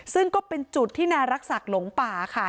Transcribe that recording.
ซึ่งก็เป็นจุดที่นายรักษักหลงป่าค่ะ